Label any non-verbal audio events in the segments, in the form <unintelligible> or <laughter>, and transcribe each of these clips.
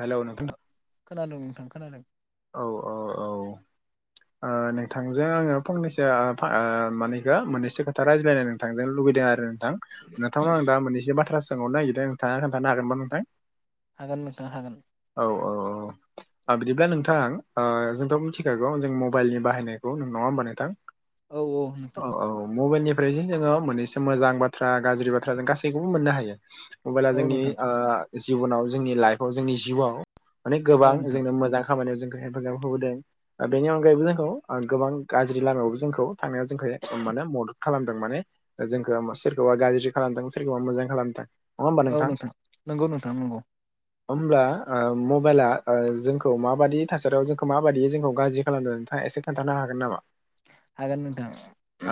हेल' न थां खोनादों औ औ औ नोंथांजों आङो फंनैसो मानिेखौ मोननैसो खोथा रायज्लायनाय नोंथांजों लुुबैदों आरो नोंथां नोंथांनाव आं दा मोननसे बाथ्रा सोंहनो नागिरदों नोंथाङा खोन्थानो हागोनबा नोंथां हागोन नोंथाङा हागोन औ औ बिदिब्ला नोंथां जोंथ' मिथिखागौ जों मबाइलनि बाहायनायखौ नों नङा होमबा नोंथां औ नोंथां औ औ मबाइनि ओैजों जोङो मोननैसो मोजां बाथ्रा गाज्रि बाथ्रा जों गासैखौबो मोननो हायो। मबाइला औ जोंनि नोंथां जिब'नाव जोंनि लाइफआव जोंनि जिउआव माने औ गोबां नोंथां जोंनो मोजां खामानियाव जों हेफाजाब होबोदों बेनि अनगायैबो जोंखौ गोबां गाज्रि लामायावबो जोंखौ थांनायाव जोंखौ म मे मदद खालामदों माने जोंखौ सोरखौबा गाज्रि खालामदों सोरखौबा मोजां खालामदों। औ नोंथां नंगौ नोंथां नंगौ। होमब्ला। मबाइला जोंखौ माबायि थासारियाव जोंखौ माबायदि जोंखौ गाज्रि खालामनो नोंथाङा एसे खोन्थानो हागोन। जागोन नामा?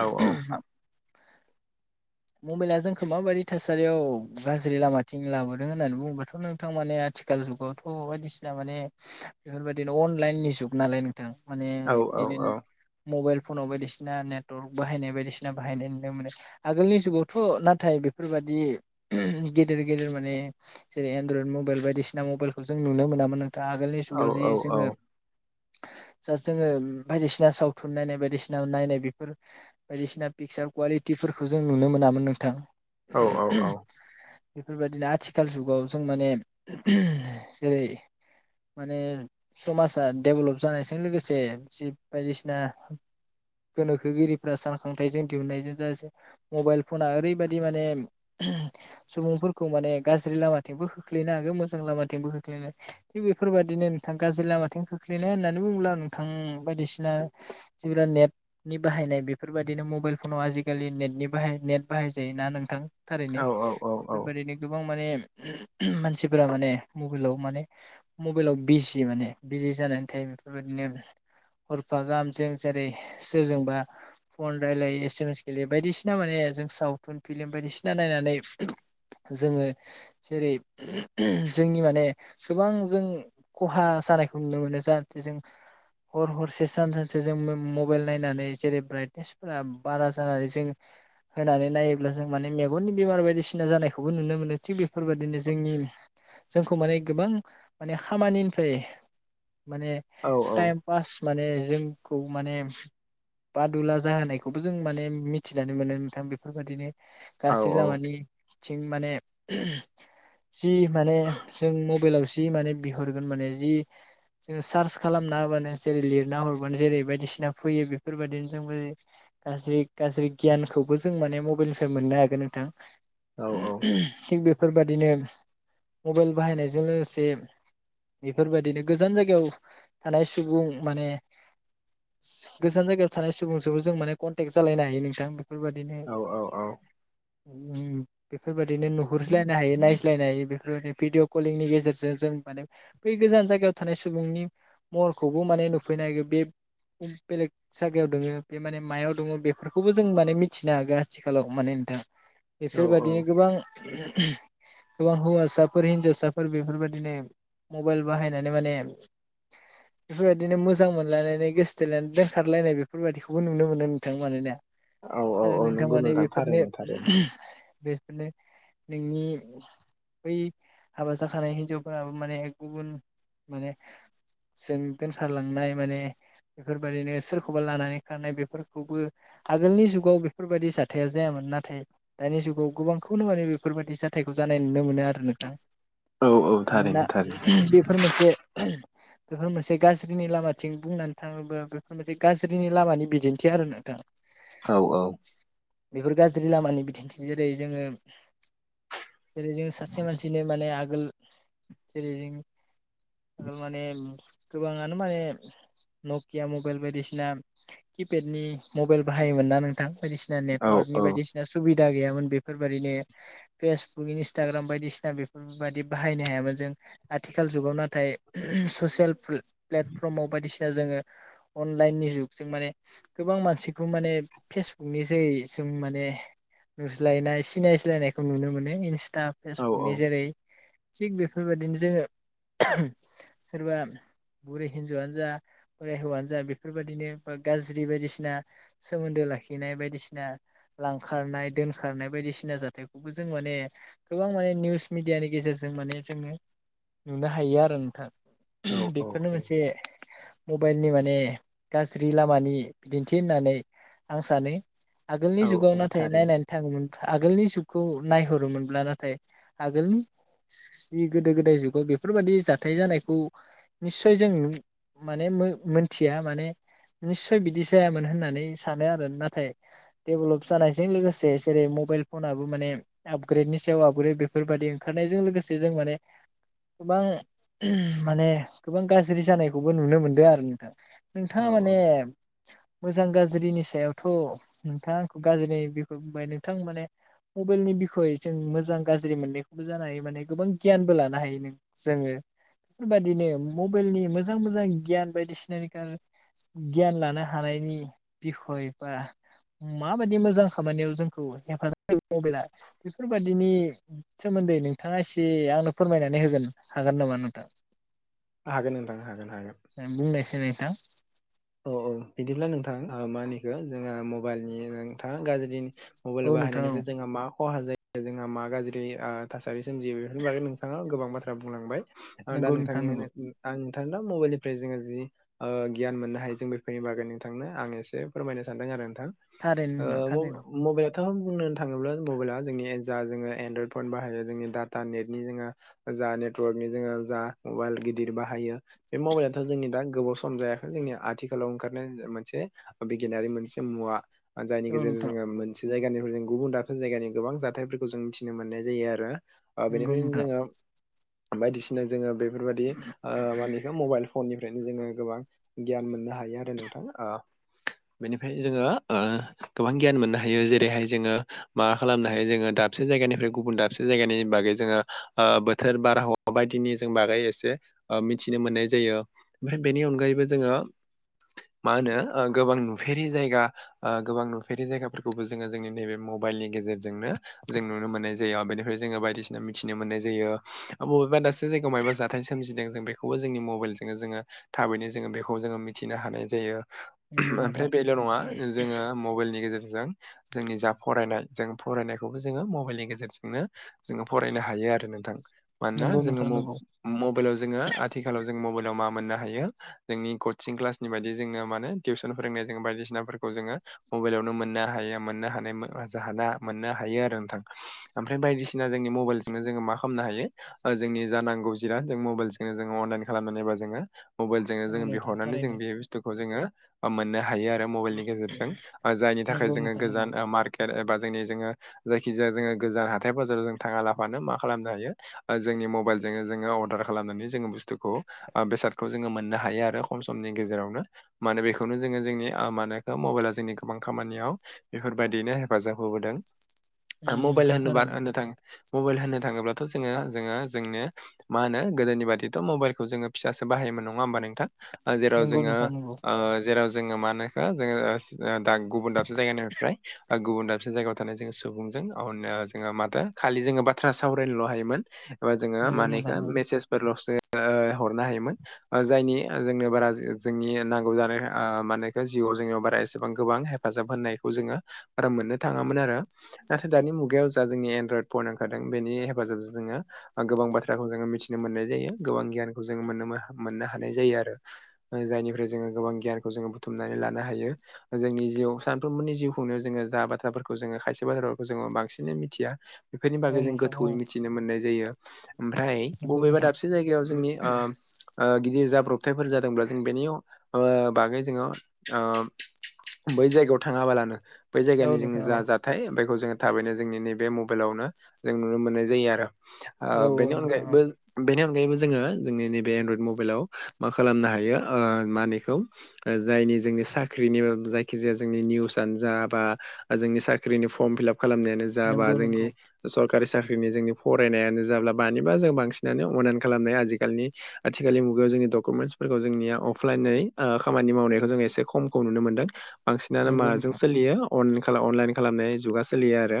औ औ मबाइला जोंखौ माबायदि थासारियाव गाज्रि लामाथिं लाबोदों होननानै बुङोबाथ' नोंथां माने आथिखाल जुगावथ' बायदिसिना माने बेफोरबायदिनो अनलाइन नि जुग नालाय न माने औ बिनो मबाइल फनाव बायदिसिना नेटवर््क बाहायनाय बायदिसिना बाहायनाय नुनो मोनो आगोलनि। जुगावथ' नाथाय बेफोरबादि गेदेर गेदेर माने जेरै एनड्रयद मबाइल बायदिसिना। बायदिसिना मबाइलखौ जों नुनो मोनामोन नोंा आगोलनि औ जुगाव जे औ औ जोङो <unintelligible> जा जोङो बायदिसिना सावथुन नायनाय बायदिसिना नायनाय बेफोर बायदिसिना पिकचार कुवालिटि। खफोरखौ जों नुनो मोनामोन नोंथां। औ औ औ। बेफोरबायदिनो आथिखाल जुगाव जों माने जेरै माने समाजा डेभेलप जानायजों लोगोसे जि बायदिसिना। गोनोखोगिरिफ्रा सानखांथायाइजों दिहुननायजों जास मबाइल फना ओरैबायदि माने सुबुंफोरखौ माने गाज्रि लामाथिंबो खोख्लैयोना? मोजां लामाथिंबो खोख्लैनाय थिग बेफोरबायदिनो नोंथाङा गाज्रि लामाथिं खोख्लैनाय होननानै बुब्ला नोंथाङा बायदिसिना ज नेटनि बाहायनाय बेफोरबायाददिनो मबाइल फनाव आजिखालि नेटनि। बाहाय नेट बाहाय जायोना नोंथां औ थारैनो औ बेफोरबायदिनो गोबां माने मानसिफोरा माने मबाइलाव माने मबाइलाव बिजि माने बिजि जानाय टाइम बेफोरबायदिनो हरफा गाहामजों जेरै सोरजोंबा फन रायलायो एस एम एस गेलेयो बायदिसिना बिना माने जों सावथुन फिललिम बायदिसिना नायनानै। जोङो जेरै जोंनि माने गोबां जों खहा मोसानायखौ नुनो मोनो जाहाथे जों हर हरसे सान सानसेो जों मबाइल नायनानै जेरै ब्राइटनेसफोरा बारा जानानै जों <unintelligible> होनानै नायोब्ला जों माने मेगननि बेमार बायदिसिना जानायखौबो नुनो मोनो थिग बेफोर बायदिनो जोंनि जोंखौ माने गोबां माने खामानिनिफ्राय माने औ टाइम पास माने जों खौ माने बादुला जाहोनायखौबो जों माने मिथिनानै मोनो नोंथां बेफोर बायदिनो औ गास मानि माने जि माने जों मबाइलाव जि माने बिहरगोन माने जि जो सार्च खालामनानै बानो जेरै लिरना हरबानो जेरै बायदिसिना फैयो बेफोरबायदिनो जों गाज्रि गाज्रि गियानखौबो जों माने मबाइलनिफ्राय मोननो हागोन नोंथां औ थिग बेफोरबादिनो। मबाइल बाहायनायजों लोगोसे बेफोरबायाददिनो गोजान जायगायाव थानाय सुबुं माने गोजान जायगायाव थानाय सुबुंजोबो जों माने कन्टेक्ट जालायनो हायो नोंथां। फोरबायदिनो औ <unintelligible> बेफोरबायदिनो नुहुरज्लायनो हायो नायज्लायनो हायो बेफोरबायदि भिडिअ कलिंनि गेजेरजों जों माने। बे गोजान जायगायाव थानाय सुबुंनि महरखौबो माने नुफैनो नागिर बे बेलेग जायगायाव दङो बे माने मायाव दङ बेफोरखौबो जों माने मिथिनो हागोन आथिखालाव माने नोंथाङा औ बेफोरबायदिनो गोबां ए हव सफर हिज साफर बेफोरबायदिनो मबाइल बाहायनानै माने बेफोरबायदिनो मोजां मोनलायनानै गोसोथायनानै दोनथखारलायनाय बेफोरबायदिखौबो नुनो मोनो नोंथां मानोना औ आरो औ नोंथां नंगौ माने बेफोरनो थारैनो थारैनो बे माने नोंनि बै हाबा जाखानाय हिन्जावफोराबो माने गुबुन माने जों दोनखारलांनाय माने बेफोरबायाददिनो सोरखौबा लानानै खारनाय बेफोरखौबो आगोलनि जुगाव बेफोरबायाददि जाथाया जायामोन नाथाय दानि जुगाव गोबांखौनो माने बेफोरबायाददि जाथायखौ ज नाय नुनो मोनो आरो नोंथां औ औ मानोना थारैनो थारैनो बेफोर मोनसे बेफोर मोनसे गाज्रिनि लामाथिं बुंनानै थाङोब्ला बेफोर मोनसे गाज्रिनि लामानि बिदिन्थि आरो नोंथाङा औ औ। बेफोर गाज्रि लामानि बिदिंथि जेरै जोङो जेरै जों सासे मानसिनो माने आगोल जेरै जों आगोल माने गोबाङानो माने नकिया मबाइल बायदिसिना किपेडनि मबाइल बाहायोमोन ना नोंथां बायदिसिना औ नेटवार्कनि औ बायदिसिना सुबिदा सुबदा गैयामोन बेफोरबायाददिनो फेसबुक इन्सटाग्राम बायदिसिना बेफोरबायाददि बाहायनो हायामोन जों आथिखाल जुगाव नाथाय ससियेल प्लेटफर्माव बायदिसिना जोङो अ लाइन नि जुगजों माने गोबां मानसिखौ माने फेसबुकनि जै जों माने नुज्लायनाय सिनाय सि्लायनायखौ नुनो मोनो इन्स्टा औ औ फेसबुकनि जेरै थिग बेफोरबायदिनो जोङो सोरबा बुरै हिनजावआनो जा बोराइ हौवानो जा बेफोरबायाददिनो बा गाज्रि बायदिसिना सोमोन्दो लाखिनाय बायदिसिना लांखारनाय दोनखारनाय बायदिसिना जाथायखौबो जों मान माने गोबां माने निउस मिडियानि गेजेरजों माने जोङो नुनो हायो आरो नोंथां। औ बेफोरनो मोनसे मबाइलनि माने गाज्रि लामानि बिदि थि होननानै आं सानो आगोलनि औ जुगाव औ नाथाय थारैनो नायनानै थाङोमोन आगोलनि जुग खौ नायहरोमोनब्ला नाथाय आगोलनि गोदो गोदाय जुगाव बेफोरबायादि जाथाय जानायखौ निस्य जों माने मोनथिया माने निसय बिदि जायामोन होननानै सानो आरो नाथाय डेभेलप जानायजों लोगोसे जेरै मबाइल फनाबबो माने आपग्रेडनि सायाव आपग्रेड बेफोरबादि ओंखारनायजों लोगोसे जों माने गोबां माने गोबां गाज्रि जानायखौबो नुनो मोनदों आरो नोंथां। नोंथाङा औ औ माने मोजां गाज्रिनि सायावथ' नोंथाङा आंखौ गाज्रि बिखौ बुंबाय नोंथां माने मबाइलनि बिखय जों मोजां गाज्रि मोननायखौबो जानो हायो माने गोबां गियानबो लानो हायो नों जोङो बेफोरबादिनो मबाइलनि मोजां मोजां गियान बायदिसिनानि गियान लानो हानायनि बिखय बा माबादि मोजां खामानियाव जोंखौ हेफाजाब मबेला बेफोरबादिनि सोमोन्दै नोंथाङा एसे आंनो फोरमायनानै होगोन हागोन नामा नोंथां? हागोन नोंथां हागोन हागोन बुंनायसै नोंथां। औ औ बिदिब्ला नोंथां मा होनखो जोंहा मबाइलनि नोंथाङा गाज्रि औ मबाइल नोंथां औ बाहायनायनिफ्राय जोंहा मा खहा जायो जोंहा मा गाज्रि ओ थासारि सोमजियो बेफोरनि बागै नोंथाङा गोबां बाथ्रा बुंलांबाय आं दा नंगौ नोंथां नोंथांनि नंगौ आं नोंथां दा मबाइलनिफ्राय जोङो जि गियान मोननो हायो। जों बेफोरनि बागै नोंथांनो आं एसे फोरमायनो सानदों आरो नोंथां थारैनो नोंथां थारैनो मबाइलाथ' बुंनो थाङोब्ला मबाइला जोंनि जा जोङो एनड्रयड फन बाहायो जोंनि डाटा नेटनि जो नेटवर्कनि जोङो जा मबाइल गिदिर बाहायो बे मबाइलाथ' जोंनि दा गोबाव सम जायाखै जोंनि आथिखाल खालाव ओंखारनाय मोनसे बिगियानारि मोनसे मुवा जायनि औ गेजेरजों नोंथां जोङो मोनसे जायगानिफ्राय जों गुबुन दाबसे जायगानि गोबां जाथायफोरखौ जों मिथिनो मोननाय जायो आरो। ओ नंगौ बेनिफ्रायनो नोंथां जोङो बायदिसिना जोङो बेफोरबायदि मानिखौ मबाइल फननि फ्रायनो जोङो गोबां गियान मोननो हायो आरो नोंथां। ओ बेनिफ्राय जोङो ओ गोबां गियान मोननो हायो जेरैहाय जोङो माबा खालामनो हायो जोङो दाब दाबसे जायगानिफ्राय गुबुन दाबसे जायगानि बागै जोङो बोथोर बारहावा बायदिनि जों बागै एसे ओ मिथिनो मोननाय जायो ओमफ्राय बेनि अनगायैबो जोङो मा होनो ओ गोबां नुफेरि जायगा गोबां नुफेरि जायगाफोरखौबो जोङो जोंनि नैबे म बाइलनि गेजेरजोंनो जों नुनो मोननाय जायो बेनिफ्राय जोङो बायदिसिना मिथिनो मोननाय जायो। बबेबा दाबसे जायगायाव मायबा जाथाय सोमजिदों जों बेखौबो जोंनि मबेलजोंनो जोङो थाबैनो जोङो बेखौ जोङो मिथिनो नो हानाय जायो। नंगौ नोंथां ओमफ्राय बेल' नङा जोङो मबेलनि गेजेर जों जोंनि जा फरायनाय जों फरायनायखौबो जोङो मबाइलनि गेजेरजोंनो जोङो फरायनो हायो। नोंथां मानोना नंगौ जोङो नोंथां मा नंगौ मबेलाव जोङो आथिखालाव जों मबेलाव मा मोननो हायो जोंनि कसिं क्लासनि बायदि जोङो माने टिउसन फोरोंनाय जोङो बायदिसिनाफोरखौ जोङो मबाइलावनो मोननो हायो। मानोना जाहोना मोननो हायो आरो नोंथां। ओमफ्राय बायदिसिना जोंनि मबाइलजोंनो जोङो मा खालामनो हायो जोंनि जानांगौ जिराद जों मबाइलजोंनो जोङो अनलाइन खालामनानै बा जोङो मबाइल जोंनो नंगौ जोो नोंथां बिहरनानै जों थारैनो बे बुस्थुखौ जोङो मोननो हायो। हायो आरो मबाइलनि गेजेरजों जायनि थाखाय नंगौ जोङो नोंथां नंगौ गोजान मार्केट एबा जोंनि जोङो जायखिजाया जोङो गोजान हाथाय बाजाराव जों थाङा लाफानो मा खालामनो हायो जोंनि मबाइलजोंनो जोङो अरदार खालामनानै जोङो बुसथुखौ ओ बेसादखौ जोङो मोननो हायो आरो। खम समनि गेजेरावनो माने बेखौनो जोङो जोंनि मानखो मबाइला जोंनि गोबां खामानियाव बेफोर बायदियैनो हेफाजाब होबोदों उम मबाइल नोंथां होनोबा थारैनो होननो थाङोब्लाथ' जोङो जोंनो मा होनो गोदोनि बादिथ' मबाइलखौ जोङो फिसासो बाहायोमोन नङा होमबा? नोंथां ओ जेराव नंगौ जोङो नोंथां नंगौ ओ जेराव जोङो जोङो मा होनो इखो जोङो गुबुन दाबसे जायगानिफ्राय गुबुन दाबसे जायगायाव थानाय जों सुबुं माथो खालि जोङो बाथ्रा सावरायनोल हायोमोन। एबा जोङो मा नंगौ होनो नोंथां इखो नंगौ मेसेजफोरलसो हरनो हायोमोन। जायनि जों बारा जोंनि नांगौ जानाय मा होनो इखो जोङो जिउआव जोंनियाव बारा एसेबां गोबां हेफाजाब होननायखौ जोङो आराम मोननो थाङामोन आरो नाथाय दानि मुगायाव जा जोंनि एनड्रयड फन ओंखारदों बेनि हेफाजाबजों जोङो गोबां बाथ्राखौ जोङो मिथिनो मोननाय जायो गोबां गियानखौ जोङो मोननो हानाय जायो आरो। जायनिफ्राय जोङो गोबां गियानखौ जोङो बुथुमनानै लानो हायो जोंनि जिउ सानफ्रोमबोनि जिउखौ जोङो जा बाथ्राफोरखौ जोङो खायसे बाथ्राफोरखौ जोङो बांसिनै मिथिया। बेफोरनि औ बागै जों नोंथां औ गोथौयै मिथिनो मोननाय जायो। ओमफ्राय नंगौ बबेबा नोंथां दाबसे जायगायाव जोंनि गिदिर जाब्रब थाइफोर जादोंब्ला जों बेनि बागै जोङो बै जायगायाव थाङाबालानो बै औ जायगानि जोंनि नोंथां औ जा जाथाय बेखौ जोङो थाबैनो जोंनि नैबे मबाइलावनो जों नुनो मोननाय जायो आरो। औ बेनि नोंथां औ अनगायैबो बेनि अनगायैबो जोङो जोंनि नैबे एनड्रयड मबाइलाव मा खालामनो हायो मानिखौ जायनि जोंनि साख्रिनि जायखिजाया जोंनि निउस जा बा जोंनि साख्रिनि फर्म फिलाप खालामनायानो जा बा नंगौ जोंनि नंगौ सरखारि‌ साख्रि जोंनि फरायनायानो जाब्ला बानिबा जों बांसिनानो अनलाइन खालामनाय आजिखालि आथिखालनि मुगायाव जोंनि जोंनिया अफलाइन खामानि मावनायखौ जों एसे खमखौ नुनो मोनदों। बांसिनानो नंगौ माजों नोंथां सोलियो अन अनलाइन खालामनाय जुगा सोलियो आरो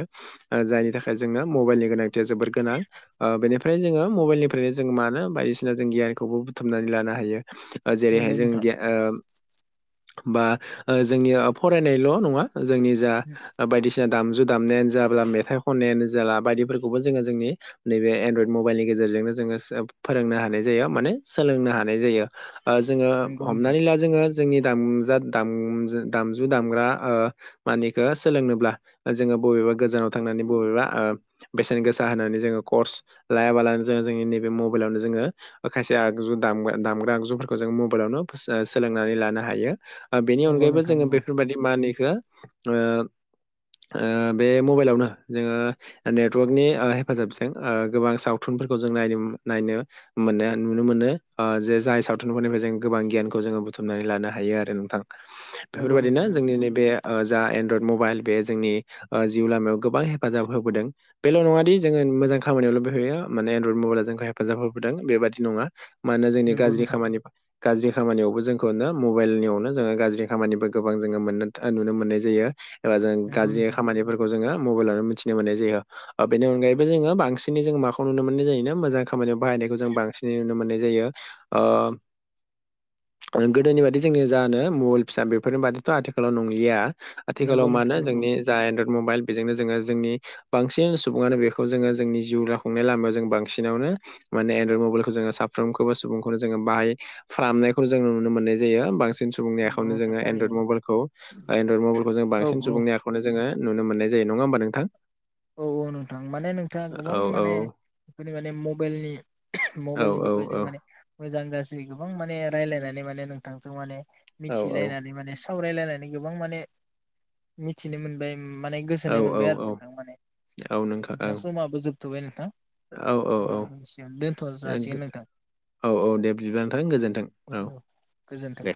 जायनि थाखाय जोंनो मबाइलनि गोनांथिया जोबोर गोनां। बेनिफ्राय जोङो मबाइलनिफ्रायनो जों मानो बायदिसिना जों गियानखौबो बुथुमनानै लानो हायो। जेरैहाय नंगौ जों नोंथां बा जोंनिया फरायनायल नङा। जोंनि जा बायदिसिना दामजु दामनायानो जाब्ला मेथाइ खननायानो जाला बायदिफोरखौबो जोङो जोंनि नैबे एनड्रयड मबाइलनि गेजेरजोंनो जोङो सोब फोरोंनो हानाय जायो माने सोलोंनो हानाय जायो। ओ जोङो नंगौ नोंथां हमनानै ला जोङो जोंनि दामजा दाम दामजु दामग्रा ओ मानिखो सोलोंनोब्ला ओ जोङो बबे बो गोजानाव थांनानै बबेबा ओ बेसेन गोसा होनानै जोङो कर्स लायाबालानो जोङो जोंनि नैबे म मबाइलावनो जोङो ओ खायसे आगजु दामगा दामग्रा आगजुफोरखौ जों मबाइलावनो फोसो सोलोंनानै लानो हायो। आ बेनि नंगौ अनगायैबो नोंथां जोङो बेफोर बायदि मा होनो इखो ओ ओ बे मबाइलावनो जोङो नेटवर्कनि ओ हेफाजाबजों ओ गोबां सावथुनफोर खौ जों नायनोम नायनो मोननाया नुनो मोनो। आ जे जाय सावथुनफोरनिफ्राय जों गोबां गियानखौ जोङो बुथुमनानै लानो हायो आरो नोंथां। नंगौ नंगौ बेफोरबायदिनो नोंथां नंगौ जोंनि नैबे ओ जा एनड्रयड मबाइल बे जोंनि ओ जिउ लामायाव गोबां हेफाजाब होबोदों। बेल नङा दि जोङो मोजां खामानियावल बे होयो माने एनड्रयड मबाइला जोंखौ हेफाजाब होबोदों बेबादि नङा। मानो जोंनि नंगौ गाज्रि नोंथां खामानि गाज्रि खामानियावबो जोंखौनो मबाइलनियावनो जोङो गाज्रि खामानिबो गोबां जोङो मोननो ओ नुनो मोननाय जायो। रा जों नंगौ गाज्रि नोंथां खामानिफोरखौ जोङो मबाइलावनो मिथिनो मोननाय जायो। ओ बे अनगायैबो जोङो बांसिनै जों माखौ नुनो मोननाय जायोनो मोजां खामानियाव बाहाय नायखौ जों बांसिनै नुनो मोननाय जायो। ओ गोदोनि बादि जोंनि जानो मबाइल फिसा बेफोरनि बादिथ' आथिखालाव नंलिया। आथिखालाव नंगौ मानो नोंथां नंगौ जोंनि जा एनड्रयद मबाइल बेजोंनो जोङो जोंनि बांसिन सुबुङानो बेखौ जोङो जोंनि जिउ राखुंनाय लामायाव जों बांसिनावनो नो माने एनड्रयद मबाइलखौ जोङो साब फ्रोमखोबो सुबुंखौनो जोङो बाहाय फ्रामनायखौ जों नुनो मोननाय जायो। बांसि सिन सुबुंनि नंगौ आखायावनो नोंथां जोङो थारैनो एनड्रयद मबाइलखौ एनड्रयेद मबलखौ जों औ बांसिन सुबुंनि आखायाव जोङो नुनो मोननाय जायो। नङा होमबा नोंथां? औ औ नोंथां। माने नोंथाङा गोबां औ औ माने बेफोरनि माने मबेलनि औ मबेलनि औ बिकय जों औ माने मोजां गाज्रि गोबां माने रायलायनानै माने नोंथांजों माने औ मिथि लायनानै माने सावरायलायनानै गोबां माने मिथिनो मोनबाय माने गोजोननाय औ मोनबाय आरो औ नोंथां माने। औ नोंथां दा औ समाबो जोबथ'बाय नोंथां। औ औ <unintelligible> दोन्थ' औ जासिगोन नोंथां। औ औ दे बिदिबा नोंथां गोजोन्थों औ दे।